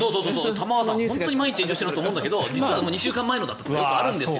玉川さん、本当に毎日炎上してるなと思うけど実は２週間前のだったとかよくあるんですよ。